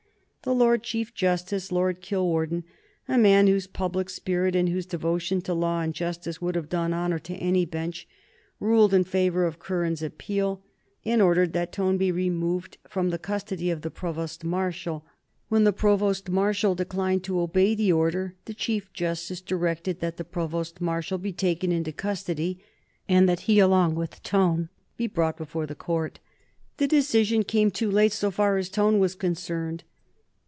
The Lord Chief Justice, Lord Kilwarden, a man whose public spirit and whose devotion to law and justice would have done honor to any bench, ruled in favor of Curran's appeal, and ordered that Tone be removed from the custody of the Provost Marshal. When the Provost Marshal declined to obey the order the Chief Justice directed that the Provost Marshal be taken into custody, and that he, along with Tone, be brought before the Court. The decision came too late so far as Tone was concerned.